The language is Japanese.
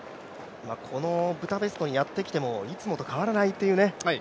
このブダペストにやってきてもいつもと変わらないというね。